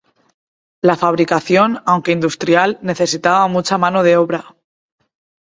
La fabricación, aunque industrial, necesitaba mucha mano de obra.